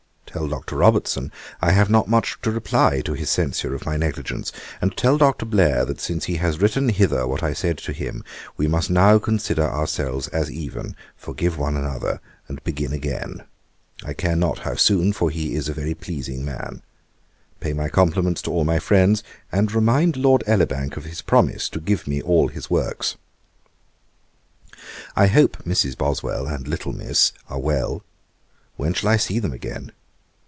Tell Dr. Robertson I have not much to reply to his censure of my negligence; and tell Dr. Blair, that since he has written hither what I said to him, we must now consider ourselves as even, forgive one another, and begin again. I care not how soon, for he is a very pleasing man. Pay my compliments to all my friends, and remind Lord Elibank of his promise to give me all his works. 'I hope Mrs. Boswell and little Miss are well. When shall I see them again?